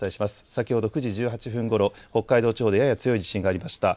先ほど９時１８分ごろ、北海道地方でやや強い地震がありました。